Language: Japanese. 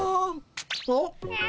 あっ。